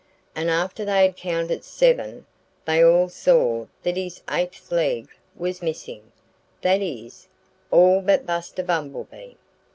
And after they had counted seven they all saw that his eighth leg was missing that is, all but Buster Bumblebee.